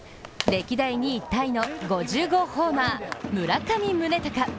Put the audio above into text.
歴代２位タイの５５ホーマー、村上宗隆。